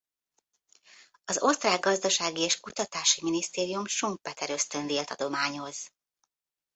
Az osztrák gazdasági és kutatási minisztérium Schumpeter-ösztöndíjat adományoz.